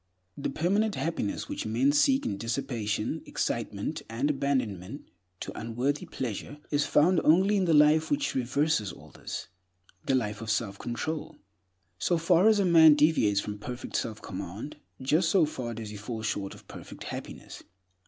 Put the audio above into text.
The permanent happiness which men seek in dissipation, excitement, and abandonment to unworthy pleasure is found only in the life which reverses all this— the life of self control. So far as a man deviates from perfect self command, just so far does he fall short of perfect happiness.